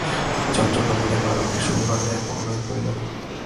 যন্ত্র কখনই মানবকে সুখী করে নাই, কখনই করিবে না।